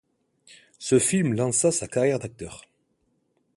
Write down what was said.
Ce film lança sa carrière d'acteur.